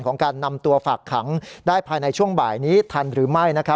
การนำตัวฝากขังได้ภายในช่วงบ่ายนี้ทันหรือไม่